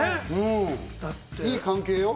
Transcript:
いい関係よ。